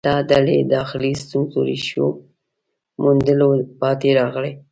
دا ډلې داخلي ستونزو ریښو موندلو پاتې راغلې